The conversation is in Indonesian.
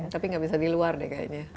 tapi nggak bisa di luar deh kayaknya